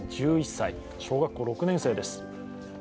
１１歳、小学校６年生です。